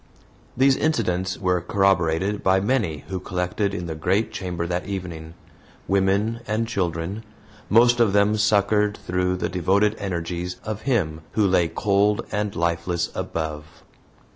These incidents were corroborated by many who collected in the great chamber that evening women and children most of them succored through the devoted energies of him who lay cold and lifeless above.